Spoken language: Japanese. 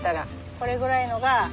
これぐらいのが。